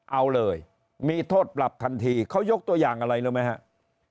เอาเลยมีโทษปรับทันทีเขายกตัวอย่างอะไรรู้ไหมครับ